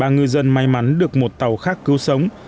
ba ngư dân may mắn được một tàu khác cứu sống